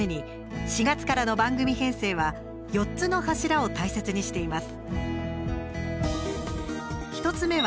４月からの番組編成は４つの柱を大切にしています。